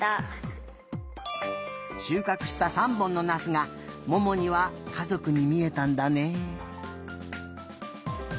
しゅうかくした３本のナスがももにはかぞくにみえたんだね。